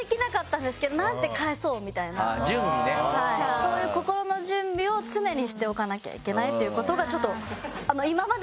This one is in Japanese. そういう心の準備を常にしておかなきゃいけないという事がちょっと。